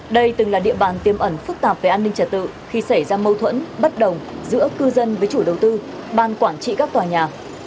đây từng là địa bàn tiêm ẩn phức tạp về an ninh trật tự khi xảy ra mâu thuẫn bất đồng giữa cư dân với chủ đầu tư ban quản trị các tòa nhà